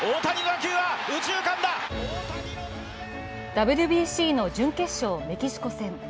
ＷＢＣの準決勝メキシコ戦。